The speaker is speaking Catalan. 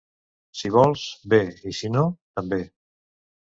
Si vols, bé; i si no, també.